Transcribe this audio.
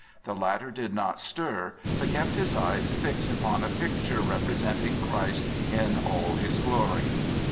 The latter did not stir, but kept his eyes fixed upon a picture representing Christ in all his glory.